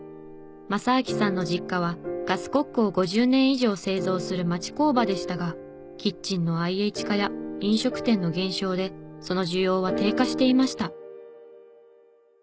雅彰さんの実家はガスコックを５０年以上製造する町工場でしたがキッチンのＩＨ化や飲食店の減少でその需要は低下していました。